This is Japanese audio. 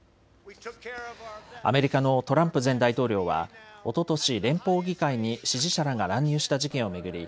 アメリカのトランプ前大統領はおととし連邦議会に支持者らが乱入した事件を巡り